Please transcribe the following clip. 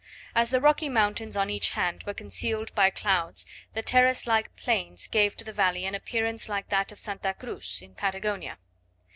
As the rocky mountains on each hand were concealed by clouds, the terrace like plains gave to the valley an appearance like that of Santa Cruz in Patagonia.